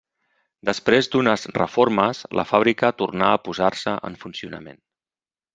Després d'unes reformes, la fàbrica tornà a posar-se en funcionament.